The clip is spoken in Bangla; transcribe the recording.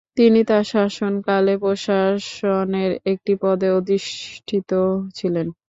তিনি তার শাসনকালে প্রশাসনের একটি পদে অধিষ্ঠিত ছিলেন।